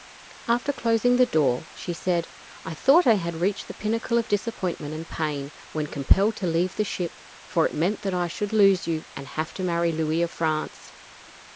After closing the door she said: "I thought I had reached the pinnacle of disappointment and pain when compelled to leave the ship, for it meant that I should lose you and have to marry Louis of France.